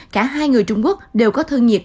cả hai người trung quốc đều có thân nhiệt